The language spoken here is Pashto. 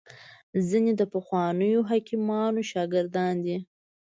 ځیني د پخوانیو حکیمانو شاګردان دي